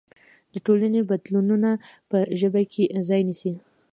د ټولنې بدلونونه په ژبه کې ځای نيسي.